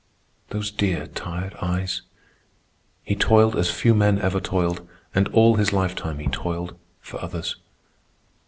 Those dear tired eyes. He toiled as few men ever toiled, and all his lifetime he toiled for others.